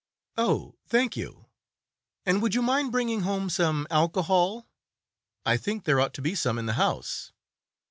"Oh, thank you! And would you mind bringing home some alcohol? I think there ought to be some in the house."